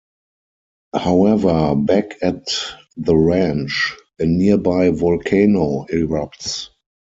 However, back at the ranch, a nearby volcano erupts.